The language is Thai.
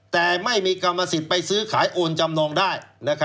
แต่ไม่มีกรรมสิทธิ์ไปซื้อขายโอนจำนองได้